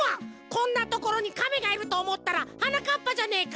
こんなところにかめがいるとおもったらはなかっぱじゃねえか！